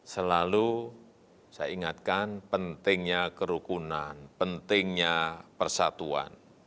selalu saya ingatkan pentingnya kerukunan pentingnya persatuan